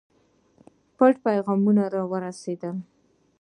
پټ پیغامونه را رسېدل.